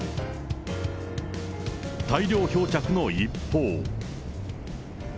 大量漂着の一方。